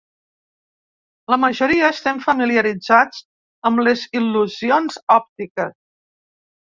La majoria estem familiaritzats amb les il·lusions òptiques.